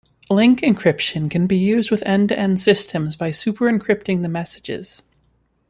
Link encryption can be used with end-to-end systems by superencrypting the messages.